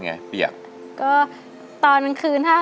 ทั้งในเรื่องของการทำงานเคยทำนานแล้วเกิดปัญหาน้อย